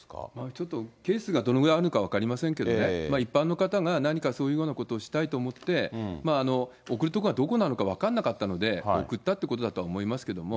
ちょっとケースがどのぐらいあるのか分かりませんけれどもね、一般の方が何かそういうようなことをしたいと思って、送るとこはどこなのか分からなかったので、送ったということだとは思いますけどね。